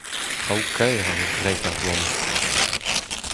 Traoù kaer a vo graet er bloaz-mañ !